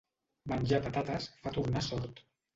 Menjar patates fa tornar sord.